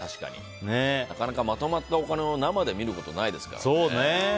なかなか、まとまったお金を生で見ることないですからね。